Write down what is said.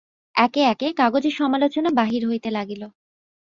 একে একে কাগজে সমালোচনা বাহির হইতে লাগিল।